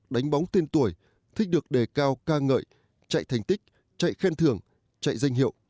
đánh bóng tên tuổi thích được đề cao ca ngợi chạy thành tích chạy khen thường chạy danh hiệu